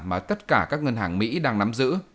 mà tất cả các ngân hàng mỹ đang nắm giữ